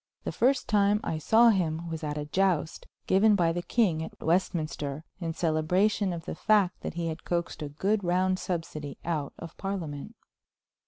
The first time I saw him was at a joust given by the king at Westminster, in celebration of the fact that he had coaxed a good round subsidy out of Parliament.